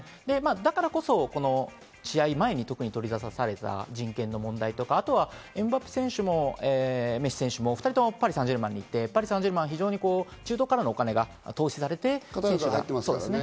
だからこそ、試合前に取りざたされた人権の問題とか、エムバペ選手もメッシ選手も２人ともパリ・サンジェルマンにいて、中東からのお金が投資されて選手が入ってますね。